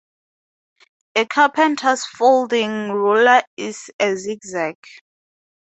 A carpenter's folding ruler is a zigzag.